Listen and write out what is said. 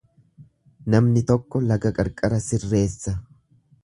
Namni tokko laga qarqara sirreessa.